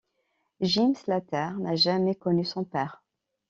Jim Slater n'a jamais connu son père.